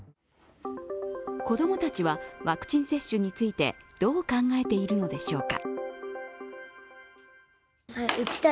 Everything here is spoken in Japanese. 子供たちはワクチン接種についてどう考えているのでしょうか。